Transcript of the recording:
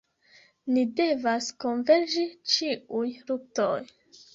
Ni devas konverĝi ĉiuj luktoj.